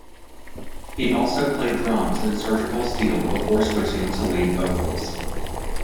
He also played drums in Surgical Steel before switching to lead vocals.